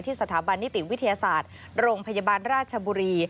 สถาบันนิติวิทยาศาสตร์โรงพยาบาลราชบุรี